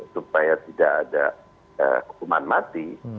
supaya tidak ada hukuman mati